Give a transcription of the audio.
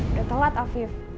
udah telat arvif